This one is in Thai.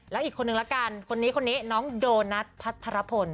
แล้วอีกคนนึงละกันคนนี้คนนี้น้องโดนัทพัทรพล